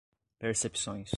percepções